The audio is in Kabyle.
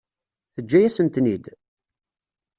Teǧǧa-yasen-ten-id?